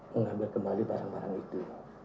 mengambil kembali barang barang itu